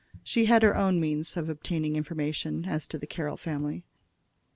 She had her own means of obtaining information as to the Carroll family.